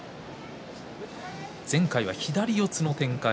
前回の左四つの展開